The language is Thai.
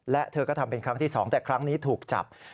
และเธอก็ทำเป็นครั้งที่๒แต่ครั้งนี้ถูกจับ